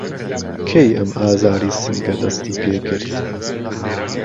کەی ئەم ئازاری سنگه دەستی پیکرد؟